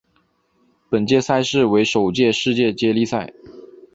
本届赛事为首届世界接力赛。